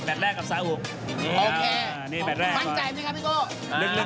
แมทแรกกับสาหุ่น